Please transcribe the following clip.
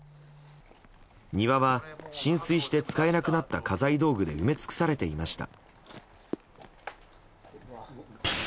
庭は浸水して使えなくなった家財道具で埋め尽くされていました。